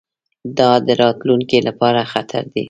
دا د راتلونکي لپاره خطر دی.